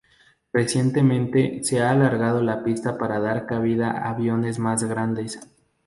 Recientemente se ha alargado la pista para dar cabida a aviones más grandes.